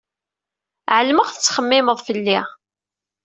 Ɛelmeɣ tettxemmimeḍ fell-i.